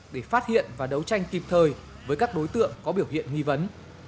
để phát hiện và đấu tranh kịp thời với các đối tượng có biểu hiện nghi vấn